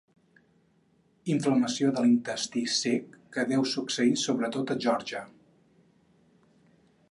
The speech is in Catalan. Inflamació de l'intestí cec que deu succeir sobretot a Geòrgia.